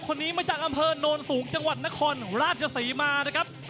คนนี้มาจากอำเภอโนนสูงจังหวัดนครราชศรีมานะครับ